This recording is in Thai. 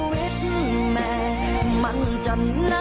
วิทยาลัยมันจะนักหนา